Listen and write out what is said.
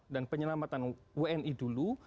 dan penyelamatan wni dulu